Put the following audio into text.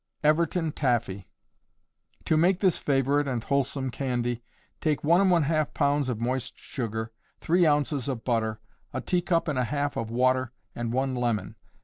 Everton Taffee. To make this favorite and wholesome candy, take 1½ pounds of moist sugar, 3 ounces of butter, a teacup and a half of water and one lemon.